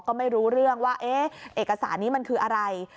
ก็ไม่รู้เรื่องว่าเอ๊ะเอกสารนี้มันคืออะไร